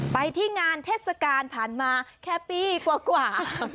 ไปที่งานเทศกาลผ่านมาแค่ปีกว่า